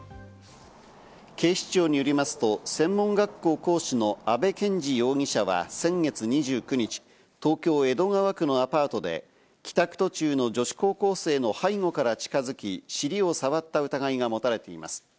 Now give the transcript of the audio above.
警視庁によりますと、専門学校講師の阿部賢治容疑者は先月２９日、東京・江戸川区のアパートで帰宅途中の女子高校生の背後から近づき、尻を触った疑いが持たれています。